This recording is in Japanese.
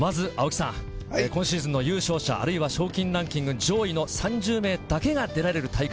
今シーズンの優勝者賞金ランキング上位の３０名だけが出られる大会。